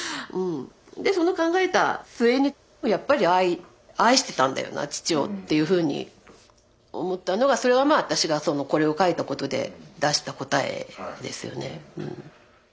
でその考えた末にやっぱり愛してたんだよな父をっていうふうに思ったのがそれがまあ私がこれを書いたことで出した答えですよねうん。